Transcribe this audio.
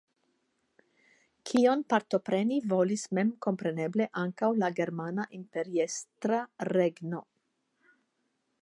Kion partopreni volis memkompreneble ankaŭ la Germana Imperiestra Regno.